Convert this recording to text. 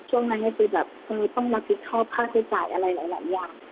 ช่วงนั้นก็จะแบบต้องรักฤทธิ์ชอบค่าเศรษฐ์อะไรหลายอย่าง